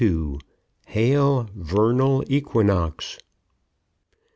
XXII HAIL, VERNAL EQUINOX!